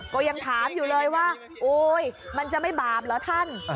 ก็ยังถามอยู่เลยว่าโอ๊ยมันจะไม่บาปเหรอท่าน